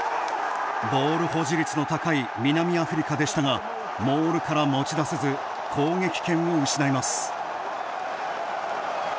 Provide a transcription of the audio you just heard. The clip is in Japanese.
ボール保持率の高い南アフリカでしたがモールから持ち出せず攻撃権を失います。